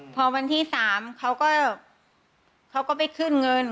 พอวันที่๓เขาก็เขาก็ไปขึ้นเงิน